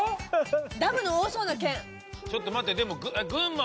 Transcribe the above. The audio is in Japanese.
ダムの多そうな県。